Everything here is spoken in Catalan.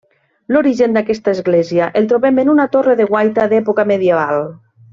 L'origen d'aquesta església el trobem en una torre de guaita d'època medieval.